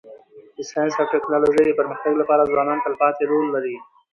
د ساینس او ټکنالوژی د پرمختګ لپاره ځوانان تلپاتي رول لري.